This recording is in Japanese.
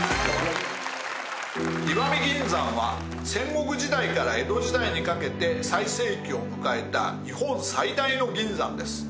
石見銀山は戦国時代から江戸時代にかけて最盛期を迎えた日本最大の銀山です。